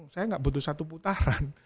saya nggak butuh satu putaran